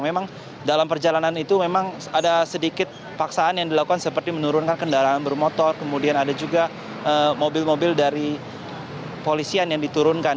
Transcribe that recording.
memang dalam perjalanan itu memang ada sedikit paksaan yang dilakukan seperti menurunkan kendaraan bermotor kemudian ada juga mobil mobil dari polisian yang diturunkan